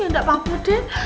ya enggak pak budi